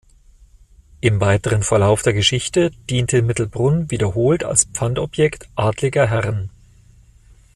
Im weiteren Verlauf der Geschichte diente Mittelbrunn wiederholt als Pfandobjekt adliger Herren.